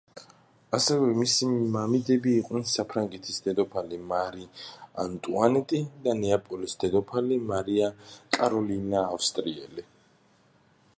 ასევე მისი მამიდები იყვნენ საფრანგეთის დედოფალი მარი ანტუანეტი და ნეაპოლის დედოფალი მარია კაროლინა ავსტრიელი.